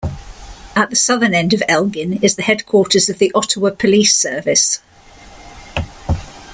At the southern end of Elgin is the headquarters of the Ottawa Police Service.